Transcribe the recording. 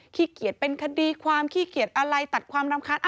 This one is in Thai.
ขี้เกียจเป็นคดีความขี้เกียจอะไรตัดความรำคาญ